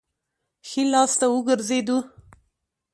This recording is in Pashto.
ښي لاس ته وګرځېدو.